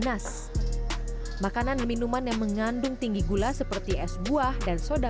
untuk gelap odds yang bhs giriman yang penyam manipulation poison diri bahkan seperti syariah credo storage